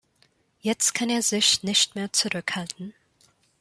Jetzt kann er sich nicht mehr zurückhalten.